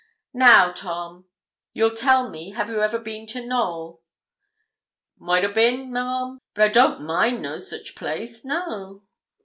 'Now, Tom, you'll tell me, have you ever been to Knowl?' 'Maught a' bin, ma'am, but I don't mind no sich place no.'